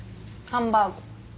ハンバーグ。